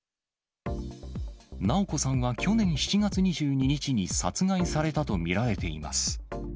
直子さんは去年７月２２日に殺害されたと見られています。